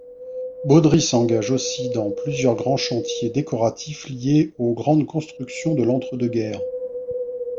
Baudry s'engage aussi dans plusieurs grands chantiers décoratifs, liés aux grandes constructions de l'entre-deux-guerres.